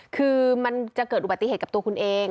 คือมันจะเกิดอุบัติเหตุกับตัวคุณเอง